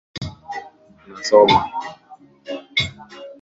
Wabarbaig waliuwawa sana sana na hao Wanyisanzu